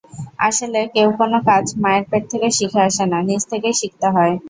আসলে কেউ কোন কাজ মায়ের পেট থেকে শিখে আসেনা, নিজ থেকেই শিখতে হয়।